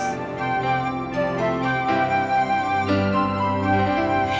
tidak ada air